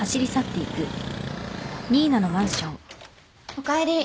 おかえり。